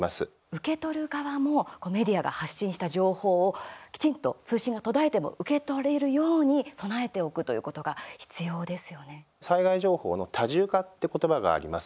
受け取る側もメディアが発信した情報をきちんと通信が途絶えても受け取れるように備えておくということが災害情報の多重化って言葉があります。